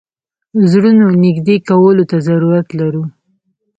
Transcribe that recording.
زړونو نېږدې کولو ته ضرورت لرو.